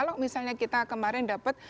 kalau misalnya kita kemarin dapat